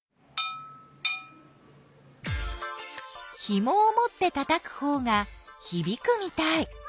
ひもを持ってたたくほうがひびくみたい。